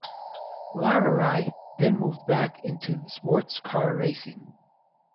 Larrauri then moved back into sports car racing.